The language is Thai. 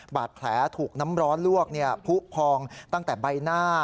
บาดแผลถูกน้ำร้อนลวกผู้พองตั้งแต่ใบหน้า